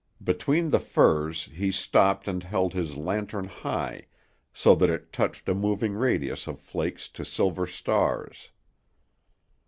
Between the firs he stopped and held his lantern high so that it touched a moving radius of flakes to silver stars.